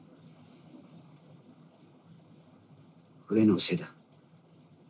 俺のせいだ。